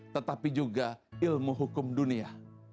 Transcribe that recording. tetapi juga ilmu hukum dunia